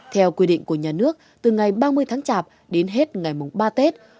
theo quy định của nhà nước từ ngày ba mươi tháng chạp đến hết ngày mùng ba tết